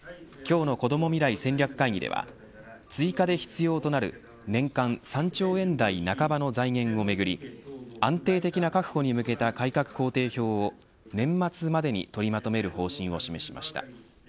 今日のこども未来戦略会議では追加で必要となる年間３兆円台半ばの財源をめぐり安定的な確保に向けた改革工程表を年末までに取りまとめる方針を示しました。